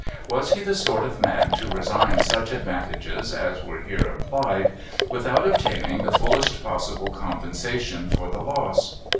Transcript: Was he the sort of man to resign such advantages as were here implied, without obtaining the fullest possible compensation for the loss